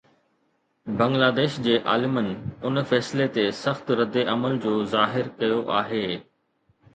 بنگلاديش جي عالمن ان فيصلي تي سخت رد عمل ظاهر ڪيو آهي